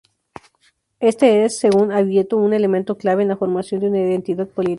Este es, según Ubieto, un elemento clave en la formación de una identidad política.